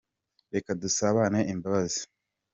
reka dusabane imbabazi.